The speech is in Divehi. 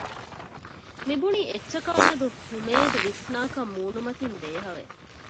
މިބުނި އެއްޗަކާ މެދު ހުމޭޒު ވިސްނާކަން މޫނުމަތިން ދޭހަވެ